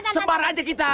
sebar aja kita